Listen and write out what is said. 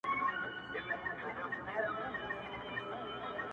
خیالي ځوانان راباندي مري خونکاره سومه-